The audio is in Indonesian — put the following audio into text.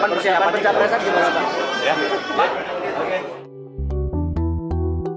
persiapan pencapresan gimana pak